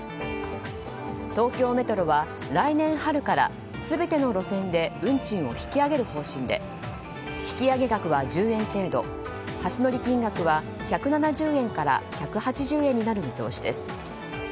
東京メトロは来年春から全ての路線で運賃を引き上げる方針で引き上げ額は１０円程度初乗り金額は１７０円から１８０円になる見通しです。